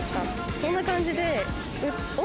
そんな感じで。